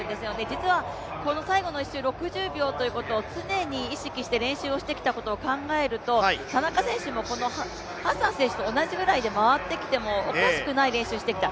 実は最後の１周、常に６０秒ということを常に意識して練習してきたことを考えると、田中選手もハッサン選手と同じぐらいで回ってきてもおかしくない練習をしてきた。